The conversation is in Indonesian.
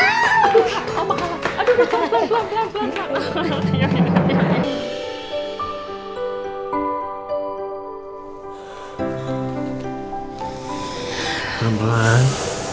aduh udah pelan pelan pelan pelan